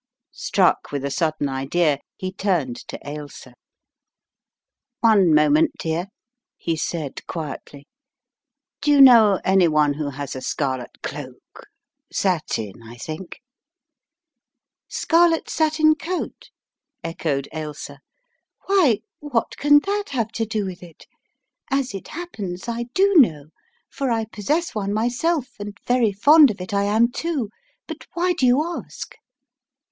Struck with a sudden idea, he turned to Ailsa. "One moment, dear," he said, quietly. "Do you 170 The Riddle of the Purple Emperor know anybody who has a scarlet cloak, satin, I think?" "Scarlet satin coat?" echoed Ailsa. "Why, what can that have to do with it? As it happens, I do know, for I possess one myself and very fond of it I am, too. But why do you ask?